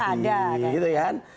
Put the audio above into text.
tapi ada kan